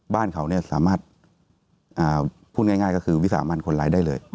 บ้านเขาสามารถพูดง่ายก็คือวิสามันคนร้ายได้เลย